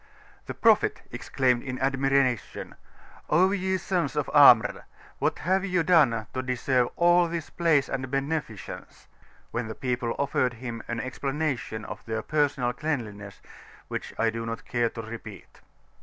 The Prophet exclaimed in admiration, "O ye Sons of Amr! what have ye done to deserve all this Praise and Beneficence?" when the people offered him an explanation of their personal cleanliness which I do not care to repeat.